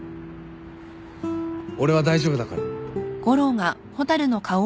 俺は大丈夫だから。